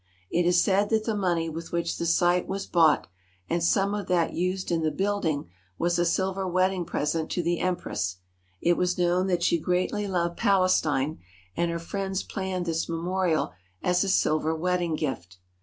It is said that the money with which the site was bought and some of that used in the building was a silver wedding present to the Empress. It was known that she greatly loved Palestine, and her friends planned 249 THE HOLY LAND AND SYRIA this memorial as a silver wedding gift.